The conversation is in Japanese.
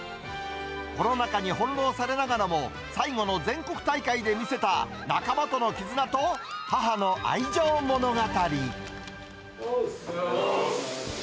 コロナ禍に翻弄されながらも、最後の全国大会で見せた仲間との絆と、母の愛情物語。